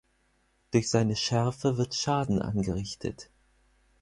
Durch seine Schärfe wird Schaden angerichtet.